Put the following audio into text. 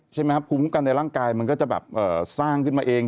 ภูมิคุ้มกันในร่างกายมันก็จะสร้างขึ้นมาเอง